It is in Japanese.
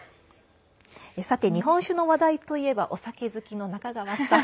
さて、日本酒の話題といえばお酒好きの中川さん。